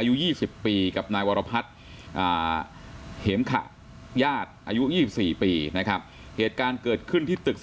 อายุ๒๐ปีกับนายวรพรรดิเฮงค่ะย่างอายุ๒๔ปีนะครับเหตุการณ์เกิดขึ้นที่ตึก๑๔